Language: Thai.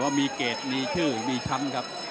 หมดยกแรกครับ